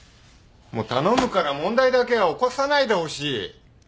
もう頼むから問題だけは起こさないでほしい。